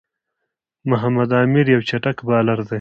محمد عامِر یو چټک بالر دئ.